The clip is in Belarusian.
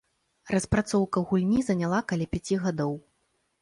Распрацоўка гульні заняла каля пяці гадоў.